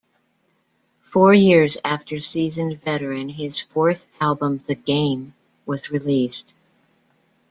Four years after "Seasoned Veteran", his fourth album "The Game" was released.